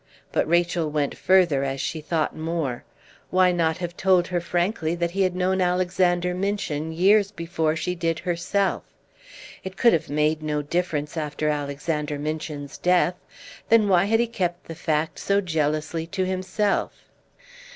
But Rachel went further as she thought more. Why not have told her frankly that he had known Alexander Minchin years before she did herself? It could have made no difference after Alexander Minchin's death; then why had he kept the fact so jealously to himself?